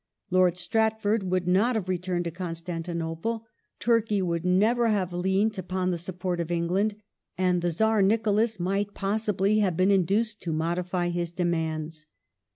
Lord Stratford would not have returned to Constantinople, Turkey would never have leant upon the support of England, and the Czar Nicholas might possibly have been induced to modify his demands.